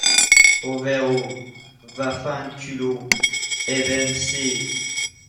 Ovvero: Vaffanculo... ebbene sì!